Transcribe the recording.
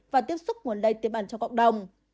và tiếp xúc nguồn lây tiềm ẩn cho cộng đồng